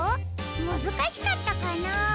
むずかしかったかな？